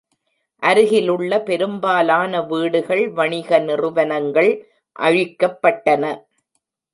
அருகிலுள்ள பெரும்பாலான வீடுகள், வணிக நிறுவனங்கள் அழிக்கப்பட்டன.